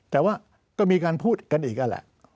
แต่ว่าก็มีการพูดกันอีกนั่นแหละ